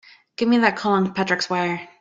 Give me that call on Patrick's wire!